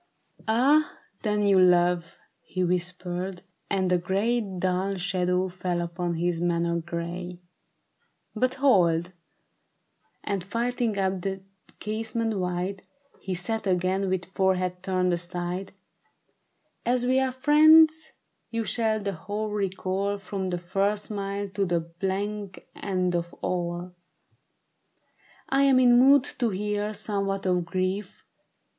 "Ah then, you love," he whispered ; and a gray Dull shadow fell upon his manner gay. " But hold !" and flinging up the casement wide, He sat again with forehead turned aside ;'' As we are friends, you shall the whole recall From her first smile to the blank end of all. I am in mood to hear somewhat of grief.